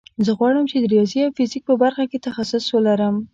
زه غواړم چې د ریاضي او فزیک په برخه کې تخصص ولرم